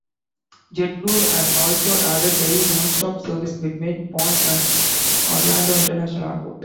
JetBlue has also added daily, non-stop service between Ponce and Orlando International Airport.